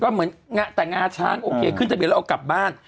ก็เหมือนแต่งาช้างโอเคขึ้นทะเบียนแล้วเอากลับบ้าน